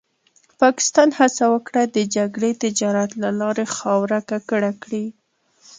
پاکستان هڅه وکړه د جګړې تجارت له لارې خاوره ککړه کړي.